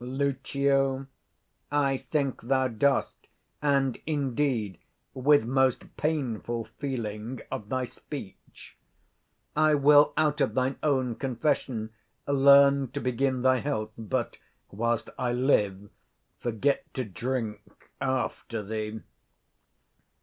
Lucio. I think thou dost; and, indeed, with most painful 35 feeling of thy speech: I will, out of thine own confession, learn to begin thy health; but, whilst I live, forget to drink after thee.